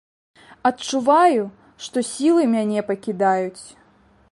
Адчуваю, што сілы мяне пакідаюць.